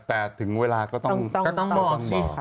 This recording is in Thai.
แต่ถึงเวลาก็ต้องรอ